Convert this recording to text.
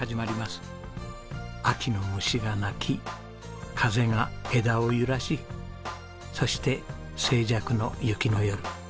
秋の虫が鳴き風が枝を揺らしそして静寂の雪の夜。